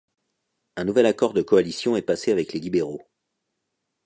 Un nouvel accord de coalition est passé avec les libéraux.